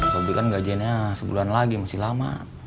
sobri kan gajainnya sebulan lagi masih lama